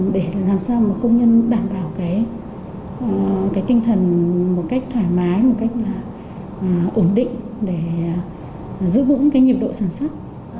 để làm sao công nhân đảm bảo tinh thần một cách thoải mái một cách ổn định để giữ vững nhiệm độ sản xuất